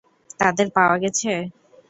তাদের পাওয়া গেছে?